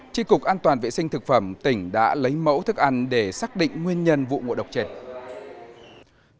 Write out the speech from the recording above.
tri cục an toàn vệ sinh thực phẩm tỉnh đã lấy mẫu thức ăn để xác định nguyên nhân vụ ngộ độc trệt